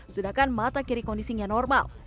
sedangkan mata kiri kondisinya normal